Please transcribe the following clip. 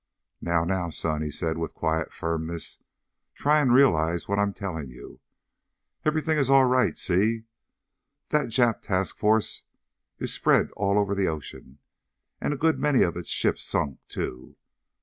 "Now, now, son," he said with quiet firmness. "Try and realize what I'm telling you. Everything is all right, see? That Jap task force is spread all over the ocean, and a good many of its ships sunk, too.